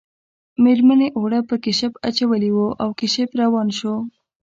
میرمنې اوړه په کشپ اچولي وو او کشپ روان شو